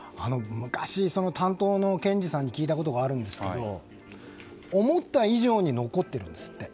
昔、担当の検事さんに聞いたことがあるんですが思った以上に残ってるんですって。